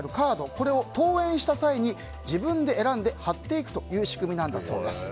これを登園した際に自分で選んで貼っていくという仕組みなんだそうです。